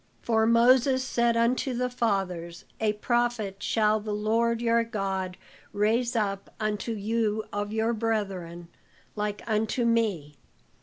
For Moses said unto the fathers, 'A prophet shall the Lord your God raise up unto you of your brethren, like unto me.